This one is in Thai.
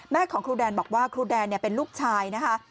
ของครูแดนบอกว่าครูแดนเป็นลูกชายนะคะ